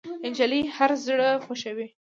نجلۍ هر زړه خوښوي.